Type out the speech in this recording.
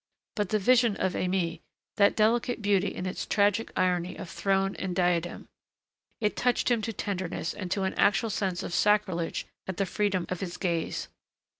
But the vision of Aimée that delicate beauty in its tragic irony of throne and diadem! It touched him to tenderness and to an actual sense of sacrilege at the freedom of his gaze.